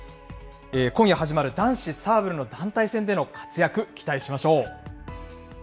今夜始まる男子サーブルの団体戦での活躍、期待しましょう。